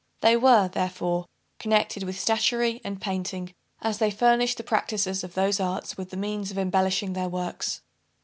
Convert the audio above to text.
They were, therefore connected with statuary and painting, as they furnished the practisers of those arts with the means of embellishing their works.